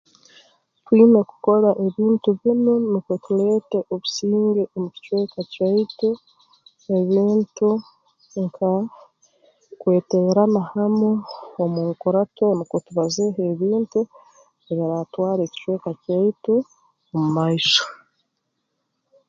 Twine kukora ebintu binu nukwo tuleete obusinge omu kicweka kyaitu ebintu nka kweteerana hamu omu nkurato nukwo tubazeeho ebintu ebiraatwara ekicweka kyaitu mu maiso